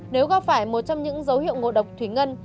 nếu gặp phải một trong những dấu hiệu ngộ độc thủy ngân